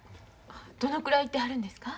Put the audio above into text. どのくらい行ってはるんですか？